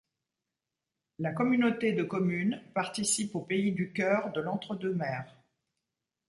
La communauté de commune participe au Pays du Cœur de l'Entre-deux-Mers.